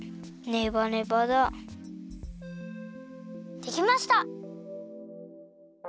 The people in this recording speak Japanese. できました！